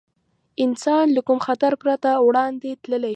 انسان له کوم خطر پرته وړاندې تللی شي.